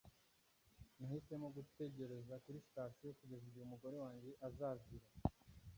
nahisemo gutegereza kuri sitasiyo kugeza igihe umugore wanjye azazira